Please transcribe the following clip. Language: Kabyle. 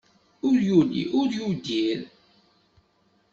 Ur yuli, ur yudir.